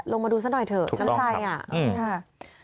ลงมาดูสักหน่อยเถอะชั้นใจอ่ะใช่ไหมครับถูกต้องครับ